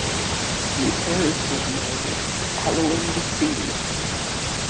Repairs were made following the siege.